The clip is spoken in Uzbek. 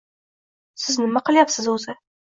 Siz nima qilyapsiz o‘zi?